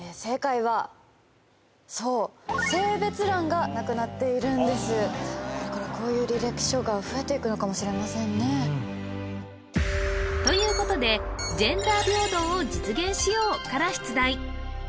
そうこれからこういう履歴書が増えていくのかもしれませんねということで「ジェンダー平等を実現しよう」から出題